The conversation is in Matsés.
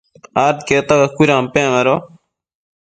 adquiecta cacuidampec mado